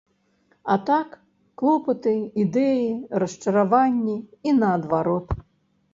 А так, клопаты, ідэі, расчараванні і наадварот.